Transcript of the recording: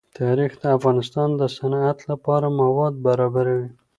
تاریخ د افغانستان د صنعت لپاره مواد برابروي.